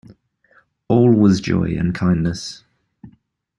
All was joy and kindness.